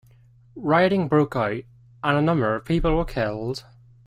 Rioting broke out and a number of people were killed.